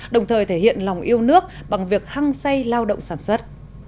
đồng thời thể hiện lòng yêu nước bằng việc hăng say lao động sản xuất